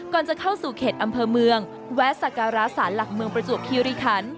จะเข้าสู่เขตอำเภอเมืองแวะสการะสารหลักเมืองประจวบคิริคัน